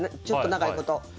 ちょっと長いこと。